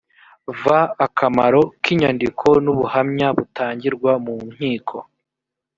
v akamaro k inyandiko n ubuhamya butangirwa mu nkiko